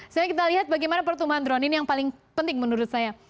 sekarang kita lihat bagaimana pertumbuhan drone ini yang paling penting menurut saya